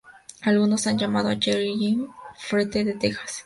Algunos han llamado a Jerry Jeff el Jimmy Buffett de Texas.